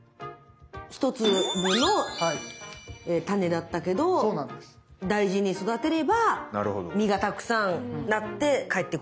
１粒の種だったけど大事に育てれば実がたくさんなって返ってくると。